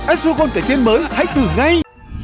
ensocon cải tiến mới hãy thử ngay